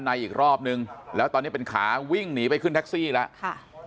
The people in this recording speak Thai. อีกรอบนึงแล้วตอนนี้เป็นขาวิ่งหนีไปขึ้นแท็กซี่แล้วค่ะ